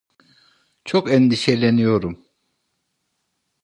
Çok endişeleniyorum.